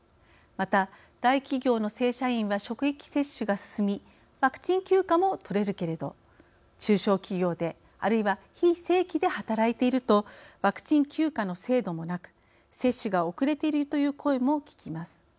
また大企業の正社員は職域接種が進みワクチン休暇もとれるけれど中小企業であるいは非正規で働いているとワクチン休暇の制度もなく接種が遅れているという声も聞きます。